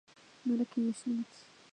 奈良県吉野町